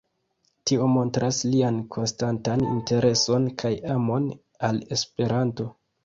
Tio montras lian konstantan intereson kaj amon al Esperanto.